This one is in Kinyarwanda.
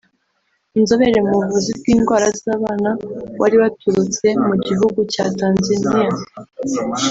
inzobere mu buvuzi bw’indwara z’abana wari waturutse mu gihugu cya Tanzania